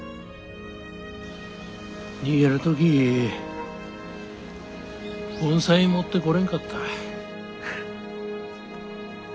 逃げる時盆栽持ってこれんかった。